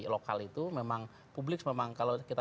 lokal itu memang publik memang kalau kita